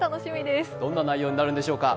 どんな内容になるんでしょうか。